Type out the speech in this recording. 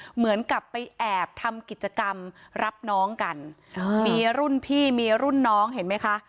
เหมือนกับไปแอบทำกิจกรรมรับน้องกันมีรุ่นพี่มีรุ่นน้องเห็นไหมคะ